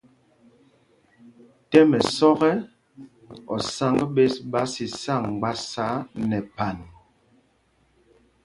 Tɛ́m ɛsɔ́k ɛ, osǎŋg ɓes ɓá sisá mgbásá nɛ phan.